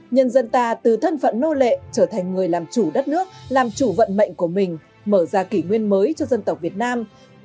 nhân dân ta từ thân phận nô lệ trở thành người làm chủ đất nước làm chủ vận mệnh của mình mở ra kỷ nguyên mới cho dân tộc việt nam